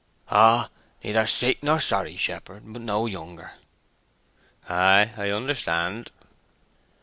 "Oh, neither sick nor sorry, shepherd; but no younger." "Ay—I understand."